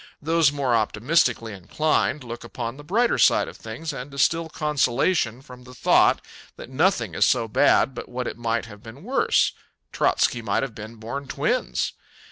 Those more optimistically inclined look upon the brighter side of things and distill consolation from the thought that nothing is so bad but what it might have been worse Trotzky might have been born twins.